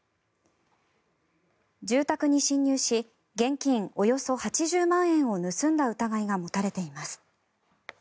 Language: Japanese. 住宅に侵入し現金およそ８０万円を盗んだ疑いが持たれています。